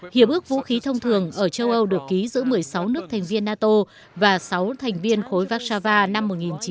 hiệp ước vũ khí thông thường ở châu âu được ký giữa một mươi sáu nước thành viên nato và sáu thành viên khối vakshava năm một nghìn chín trăm chín mươi